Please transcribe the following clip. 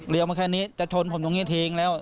เลี้ยวมาแค่นี้แต่ชนผมตรงนี้ทีนึงแล้ว